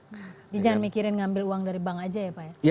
jadi jangan mikirin ngambil uang dari bank aja ya pak ya